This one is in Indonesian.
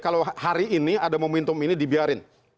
kalau hari ini ada momentum ini dibiarin